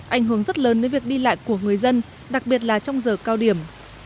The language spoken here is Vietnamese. ảnh hưởng rất lớn đến việc đi lại của người dân đặc biệt là trong giờ cao điểm